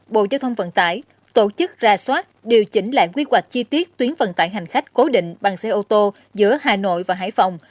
bộ giao thông vận tải tổ chức ra soát điều chỉnh lại quy hoạch chi tiết tuyến vận tải hành khách cố định bằng xe ô tô giữa hà nội và hải phòng